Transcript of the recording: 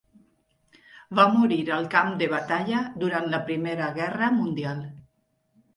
Va morir al camp de batalla durant la Primera Guerra Mundial.